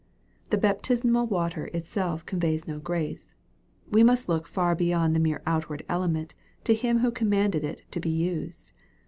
The baptismal water itself conveys no grace. We must look far beyond the mere outward element to Him whc commanded it to be used.